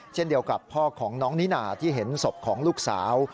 เช่นเดียวกับพ่อของน้องนิน่าที่เห็นศพของลูกสาว